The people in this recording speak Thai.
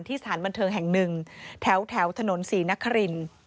สถานบันเทิงแห่งหนึ่งแถวถนนศรีนคริน